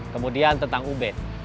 kemudian tentang ubed